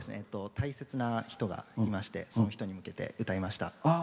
大切な人がおりましてその人に向けて歌いました。